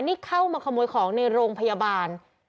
นี่เข้ามาขโมยของในโรงพยาบาล